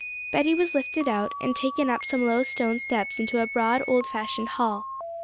Betty was lifted out, and taken up some low stone steps into a broad old fashioned hall.